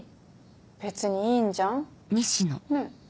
別にいいんじゃん？ねぇ？